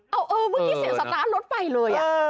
เอาเออเมื่อกี้เสียงสตาร์ทรถไฟเลย